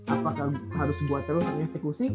apakah harus buat terus eksekusi